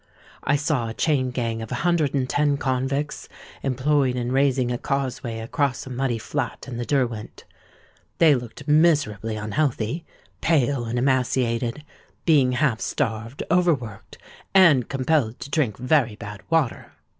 I saw a chain gang of a hundred and ten convicts, employed in raising a causeway across a muddy flat in the Derwent: they looked miserably unhealthy, pale, and emaciated, being half starved, over worked, and compelled to drink very bad water.